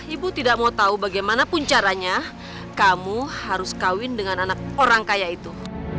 ibu tidak mau tahu bagaimanapun caranya kamu harus kawin dengan anak orang kaya itu